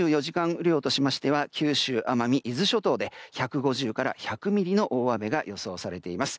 雨量では九州や奄美、伊豆諸島では１５０から１００ミリの大雨が予想されています。